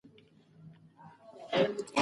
که انا ماشوم ته مینه ورکړي، هغه به ارام شي.